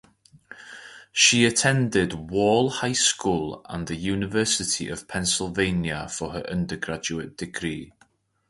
She attended Wall High School and the University of Pennsylvania for her undergraduate degree.